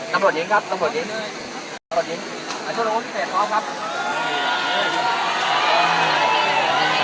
สำหรับนี้ครับสำหรับนี้สำหรับนี้